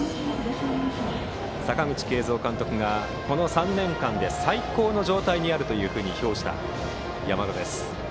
阪口慶三監督がこの３年間で最高の状態にあると評した、山田です。